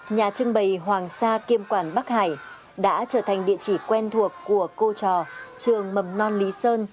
nhà trưng bày hoàng sa kiêm quản bắc hải đã trở thành địa chỉ quen thuộc của cô trò trường mầm non lý sơn